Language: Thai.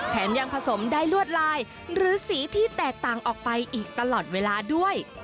แถมยังผสมได้ลวดลายหรือสีที่แตกต่างออกไปอีกตลอดเวลาด้วย